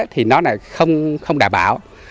thì nó là không đảm bảo